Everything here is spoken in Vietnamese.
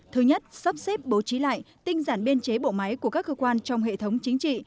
thứ nhất sắp xếp bố trí lại tinh giản biên chế bộ máy của các cơ quan trong hệ thống chính trị